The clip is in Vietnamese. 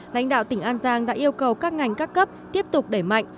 lãnh đạo tỉnh an giang đã yêu cầu các ngành các cấp tiếp tục đẩy mạnh